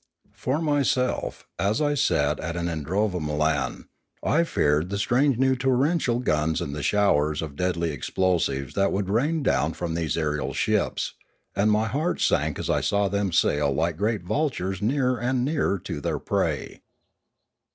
For myself, as I sat at an idrovamolan, I feared the strange new torrential guns and the showers of deadly explosives that would rain down from these aerial ships, and my heart sank as I saw them sail like great vultures nearer and nearer to their prey.